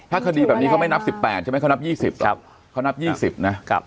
ถ้าคดีแบบนี้เขาไม่นับ๑๘ใช่ไหมเขานับ๒๐